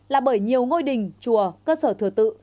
là bởi nhiều ngôi đình chùa cơ sở thờ tự